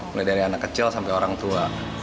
mulai dari anak kecil sampai orang tua